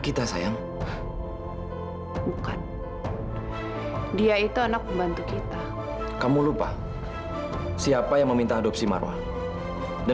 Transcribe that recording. iya iya pak memang aku yang minta untuk adopsi marwa